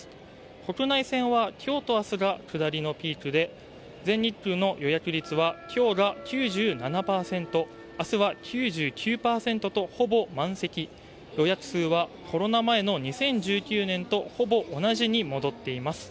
国内線は今日と明日が下りのピークで全日空の予約率は今日が９７％、明日は９９％とほぼ満席予約数はコロナ前の２０１９年とほぼ同じに戻っています。